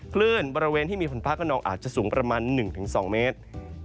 คลื่นบริเวณที่มีฝนฟ้ากระนองอาจจะสูงประมาณ๑๒เมตร